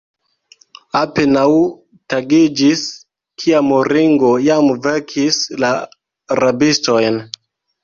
Apenaŭ tagiĝis, kiam Ringo jam vekis la rabistojn.